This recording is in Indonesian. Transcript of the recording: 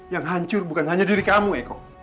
yang hancur bukan hanya diri kamu eko